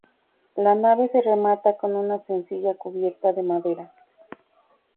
La nave se remata con una sencilla cubierta de madera.